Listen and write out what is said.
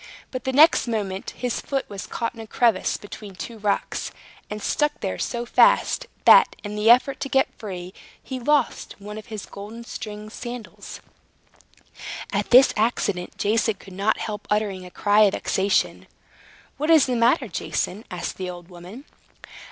But the next moment his foot was caught in a crevice between two rocks, and stuck there so fast, that, in the effort to get free, he lost one of his golden stringed sandals. At this accident Jason could not help uttering a cry of vexation. "What is the matter, Jason?" asked the old woman.